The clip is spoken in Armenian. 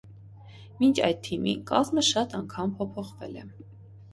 Մինչ այդ թիմի կազմը շատ անգամ փոփոխվել է։